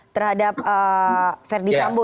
terhadap ferdis sambo